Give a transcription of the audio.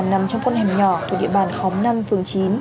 nằm trong con hẻm nhỏ từ địa bàn khóng năm phường chín